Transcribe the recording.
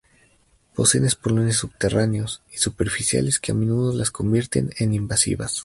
Poseen estolones subterráneos y superficiales que a menudo las convierten en invasivas.